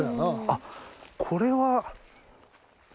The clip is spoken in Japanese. あっこれは。